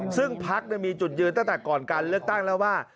ซึ่งพักมีจุดยืนตั้งแต่ก่อนการเลือกตั้งแล้วว่า